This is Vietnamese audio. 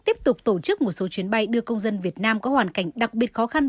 tiếp tục tổ chức một số chuyến bay đưa công dân việt nam có hoàn cảnh đặc biệt khó khăn